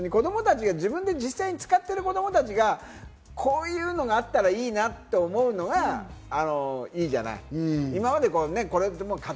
自分で実際に使ってる子供たちがこういうのがあったらいいなって思うのが、いいじゃない？